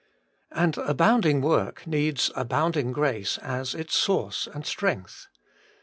And abounding work needs abounding grace as its source and strength.